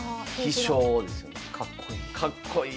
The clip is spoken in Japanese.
かっこいい。